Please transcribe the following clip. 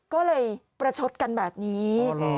ก็เลยประชดกันแบบนี้